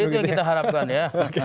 itu yang kita harapkan ya